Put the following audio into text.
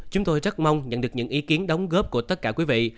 chúng tôi rất mong nhận được những ý kiến đóng góp của tất cả quý vị